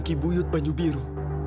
kibuyut banyu biru